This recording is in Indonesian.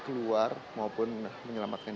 keluar maupun menyelamatkan